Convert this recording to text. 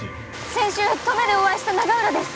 先週登米でお会いした永浦です。